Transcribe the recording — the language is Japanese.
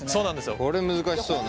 これ難しそうね。